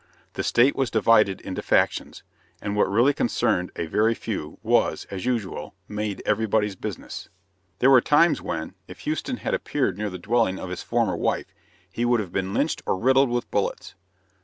The state was divided into factions; and what really concerned a very few was, as usual, made everybody's business. There were times when, if Houston had appeared near the dwelling of his former wife, he would have been lynched or riddled with bullets.